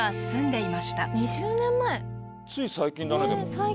つい最近だねでも。